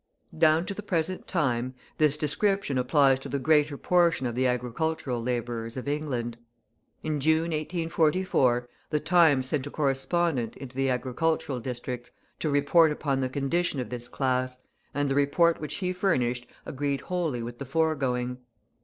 Down to the present time, this description applies to the greater portion of the agricultural labourers of England. In June, 1844, the Times sent a correspondent into the agricultural districts to report upon the condition of this class, and the report which he furnished agreed wholly with the foregoing.